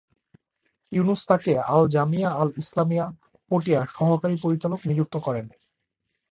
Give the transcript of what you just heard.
ইউনুস তাকে আল জামিয়া আল ইসলামিয়া পটিয়ার সহকারী পরিচালক নিযুক্ত করেন।